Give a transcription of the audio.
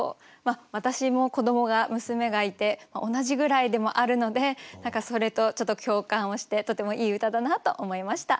私も子どもが娘がいて同じぐらいでもあるので何かそれとちょっと共感をしてとてもいい歌だなと思いました。